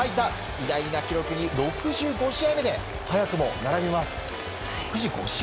偉大な記録に６５試合目で早くも並びます。